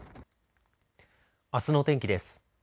あすの天気です。